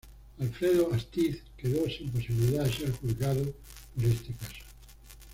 Alfredo Astiz quedó sin posibilidad de ser juzgado por este caso.